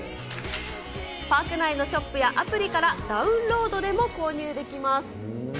パーク内のショップやアプリからダウンロードでも購入できます。